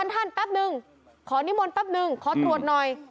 ท่านแป๊บนึงขอนิมนต์แป๊บนึงขอตรวจหน่อย